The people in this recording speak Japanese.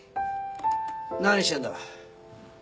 何してんだ？